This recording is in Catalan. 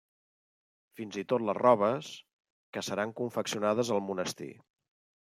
Fins i tot les robes, que seran confeccionades al monestir.